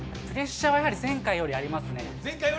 プレッシャーは前回よりありますね。